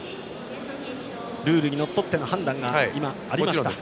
ルールにのっとっての判断がありました。